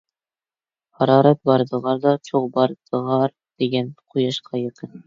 ھارارەت بار، دىغاردا چوغ بار، دىغار دېگەن قۇياشقا يېقىن.